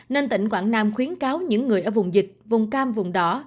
nên tỉnh quảng nam khuyến cáo những người ở vùng dịch vùng cam vùng đỏ